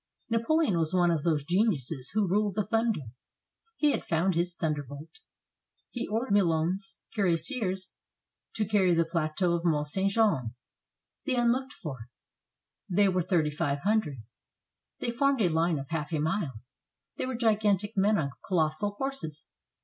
Napoleon was one of those geniuses who rule the thunder. He had found his thunderbolt. He ordered Milhaud's cuirassiers to carry the plateau of Mont St. Jean. THE UNLOOKED FOR They were 3500. They formed a line of half a mile. They were gigantic men on colossal horses.